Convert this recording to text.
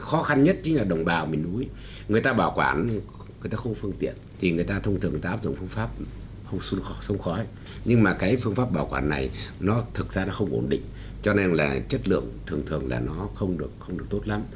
khó khăn nhất chính là đồng bào miền núi người ta bảo quản người ta không phương tiện thì người ta thông thường người ta áp dụng phương pháp không khỏi sông khói nhưng mà cái phương pháp bảo quản này nó thực ra nó không ổn định cho nên là chất lượng thường thường là nó không được tốt lắm